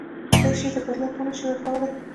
هیڅ شي ته هم بدلون نه شي ورکولای.